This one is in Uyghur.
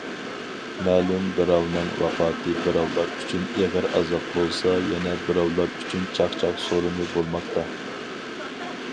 مەلۇم بىراۋنىڭ ۋاپاتى بىراۋلار ئۈچۈن ئېغىر ئازاب بولسا، يەنە بىراۋلار ئۈچۈن چاقچاق سورۇنى بولماقتا.